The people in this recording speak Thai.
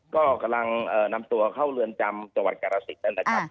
ก็กำลังนำตัวเข้าเรือนจำจังหวัดกรสินนะครับ